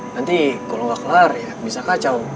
nanti kalo gak kelar ya bisa kacau